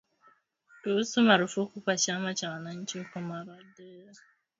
kuhusu marufuku kwa chama cha wananchi huko Marondera